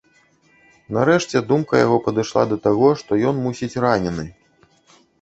Нарэшце думка яго падышла да таго, што ён, мусіць, ранены.